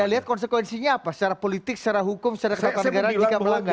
anda lihat konsekuensinya apa secara politik secara hukum secara ketatanegaraan jika melanggar